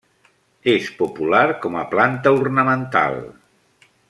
És popular com a planta ornamental.